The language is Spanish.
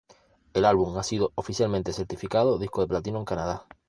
El álbum ha sido oficialmente certificado disco de platino en Canadá.